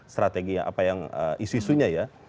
strateginya apa yang isu isunya ya